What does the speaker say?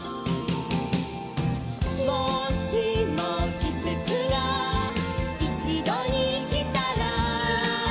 「もしもきせつがいちどにきたら」